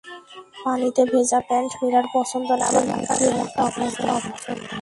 পানিতে ভেজা প্যান্ট মীরার পছন্দ না, আবার গুটিয়ে রাখা প্যান্টও অপছন্দ।